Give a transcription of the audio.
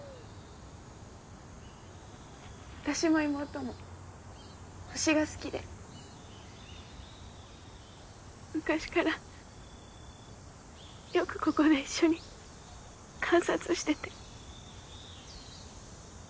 私も妹も星が好きで昔からよくここで一緒に観察してて。